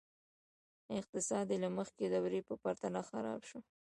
اقتصاد یې له مخکې دورې په پرتله خراب شو.